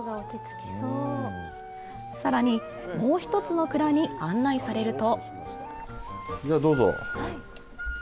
さらに、もう１つの蔵に案内されると。